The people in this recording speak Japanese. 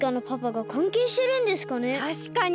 たしかに！